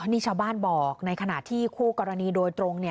นี่ชาวบ้านบอกในขณะที่คู่กรณีโดยตรง